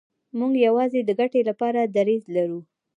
موږ یوازې د ګټې لپاره دریځ لرو.